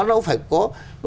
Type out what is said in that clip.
nó phải có